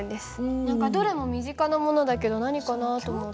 何かどれも身近なものだけど何かなと思って。